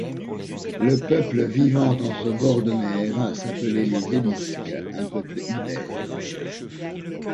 Le peuple vivant en ce bord de mer s'appelait les Élisyques, un peuple Ibère.